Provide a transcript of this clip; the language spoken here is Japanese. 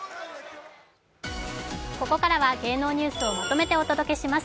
ここからは芸能ニュースをまとめてお届けします。